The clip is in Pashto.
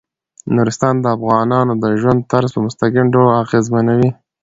نورستان د افغانانو د ژوند طرز په مستقیم ډول ډیر اغېزمنوي.